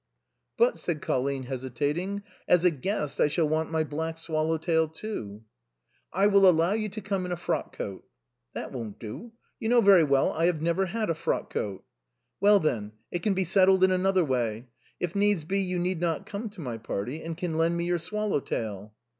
" But," said Colline hesitating, " as a guest I shall want my black swallow tail too." " I will allow you to come in a frock coat." " That won't do. You know very well I have never had a frock coat." " Well, then, it can be settled in another way. If needs be, you need not come to my party, and can lend me your swallow tail."